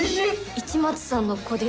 市松さんの子ですよね？